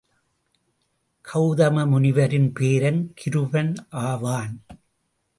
கவுதம முனிவரின் பேரன் கிருபன் ஆவான்.